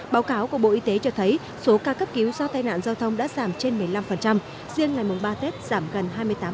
báo cáo của bộ y tế cho thấy số ca cấp cứu do tai nạn giao thông đã giảm trên một mươi năm riêng ngày mùng ba tết giảm gần hai mươi tám